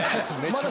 まだ。